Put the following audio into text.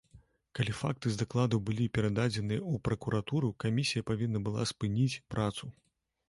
Калі факты з дакладу былі перададзеныя ў пракуратуру, камісія павінна была спыніць працу.